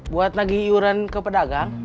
buat nagih yuran ke pedagang